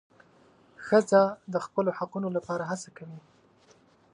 ښځه د خپلو حقونو لپاره هڅه کوي.